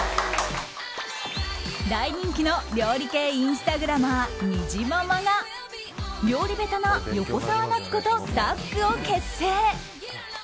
大人気の料理系インスタグラマーにじままが料理ベタな横澤夏子とタッグを結成。